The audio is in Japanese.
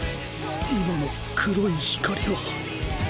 今の黒い光は。